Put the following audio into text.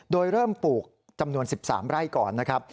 โดยเริ่มปลูกจำนวน๑๓ไร่ก่อนนะครับ